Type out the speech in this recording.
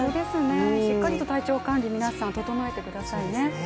しっかりと体調管理、皆さん整えてくださいね。